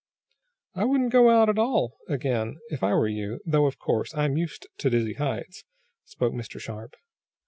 "I wouldn't go out at all again, if I were you, though, of course, I'm used to dizzy heights," spoke Mr. Sharp.